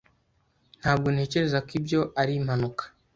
Ntabwo ntekereza ko ibyo ari impanuka.